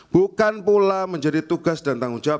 bukan pula menjadi tugas dan tanggung jawab